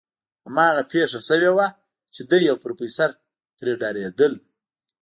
هماغه پېښه شوې وه چې دی او پروفيسر ترې ډارېدل.